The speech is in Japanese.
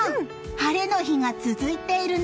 晴れの日が続いているね。